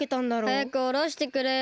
はやくおろしてくれよ。